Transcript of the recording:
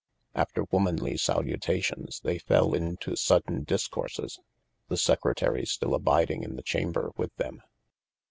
After womanly salutations they fell into sundrye discourses, the Secretary stil abiding in the chamber with them.